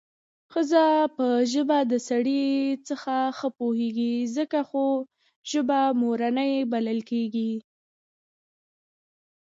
ښځه په ژبه د سړي څخه ښه پوهېږي څکه خو ژبه مورنۍ بلل کېږي